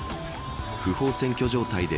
不法占拠状態で